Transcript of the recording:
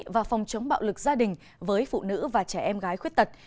và phòng chống bạo lực gia đình với phụ nữ và trẻ em gái khuyết tật